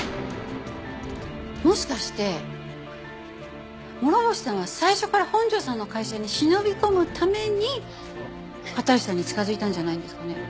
もしかして諸星さんは最初から本庄さんの会社に忍び込むために片石さんに近づいたんじゃないですかね？